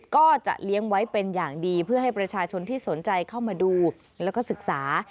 ก็จะเลี้ยงไว้เป็นอย่างดีเพื่อให้ประชาชนที่สนใจเข้ามาดูแล้วก็ศึกษา